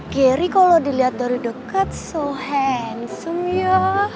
gary kalau dilihat dari dekat so handsome ya